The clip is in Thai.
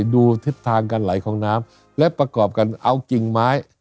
ดูทิศทางการไหลของน้ำและประกอบกันเอากิ่งไม้